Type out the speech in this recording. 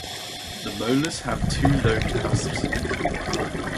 The molars have two-lobed cusps.